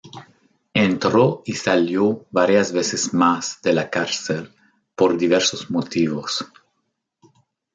Entró y salió varias veces más de la cárcel por diversos motivos.